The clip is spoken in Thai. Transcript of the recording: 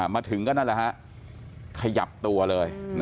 มาถึงก็นั่นแหละฮะขยับตัวเลย